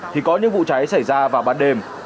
thì có những vụ cháy xảy ra vào ban đêm